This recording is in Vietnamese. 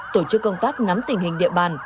tổ chức công tác nắm tình hình địa bàn